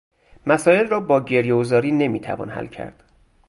مسایل را با گریه و زاری نمیتوان حل کرد.